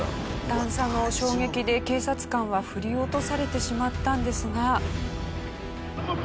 段差の衝撃で警察官は振り落とされてしまったんですが。